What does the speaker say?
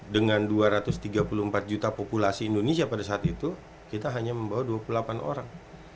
dengan dua ratus tiga puluh empat juta populasi indonesia pada saat itu kita hanya membawa dua puluh delapan orang